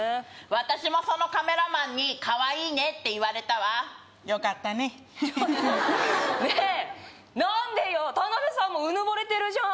私もそのカメラマンに「かわいいね」って言われたわよかったねちょっとねえなんでよ田辺さんもうぬぼれてるじゃん